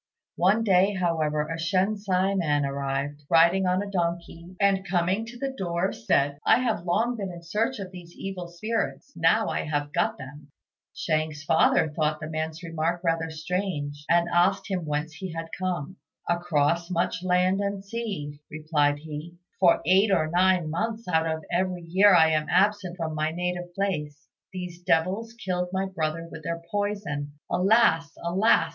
One day, however, a Shensi man arrived, riding on a donkey, and coming to the door said, "I have long been in search of these evil spirits: now I have got them." Shang's father thought the man's remark rather strange, and asked him whence he had come. "Across much land and sea," replied he; "for eight or nine months out of every year I am absent from my native place. These devils killed my brother with their poison, alas! alas!